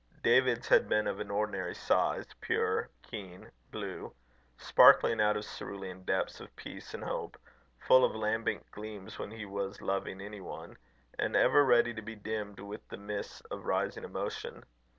David's had been of an ordinary size, pure keen blue, sparkling out of cerulean depths of peace and hope, full of lambent gleams when he was loving any one, and ever ready to be dimmed with the mists of rising emotion.